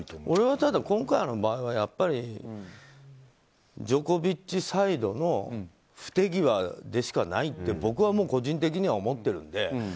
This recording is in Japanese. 俺はただ、今回の場合はやっぱり、ジョコビッチサイドの不手際でしかないって僕は個人的には思っているんで。